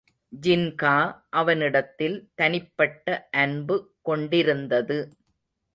ஜின்கா அவனிடத்தில் தனிப்பட்ட அன்பு கொண்டிருந்தது.